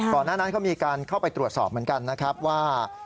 ก่อนหน้านั้นเขามีการเข้าไปตรวจสอบเหมือนกันนะครับว่า